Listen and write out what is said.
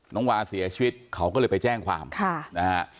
น้องวาเสียชีวิตเขาก็เลยไปแจ้งความค่ะนะฮะ